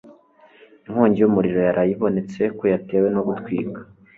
Inkongi y'umuriro yaraye ibonetse ko yatewe no gutwika.